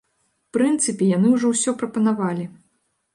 У прынцыпе, яны ўжо ўсё прапанавалі.